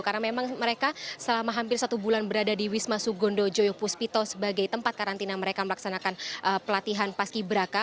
karena memang mereka selama hampir satu bulan berada di wisma sugondo joyo puspito sebagai tempat karantina mereka melaksanakan pelatihan paski beraka